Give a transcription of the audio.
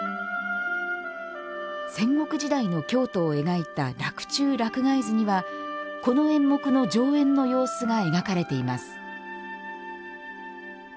戦国時代の京都を描いた「洛中洛外図」にはこの演目の上演の様子が描かれています。